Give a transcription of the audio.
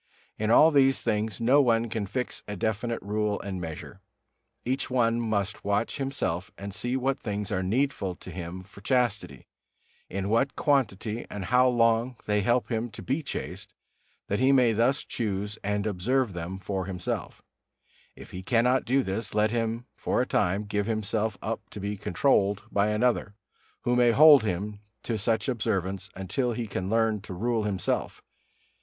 In all these things no one can fix a definite rule and measure. Each one must watch himself and see what things are needful to him for chastity, in what quantity and how long they help him to be chaste, that he may thus choose and observe them for himself; if he cannot do this, let him for a time give himself up to be controlled by another, who may hold him to such observance until he can learn to rule himself.